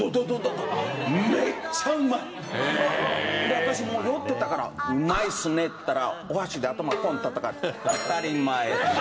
私もう酔ってたから「うまいっすね」って言ったらお箸で頭ポンッてたたかれて。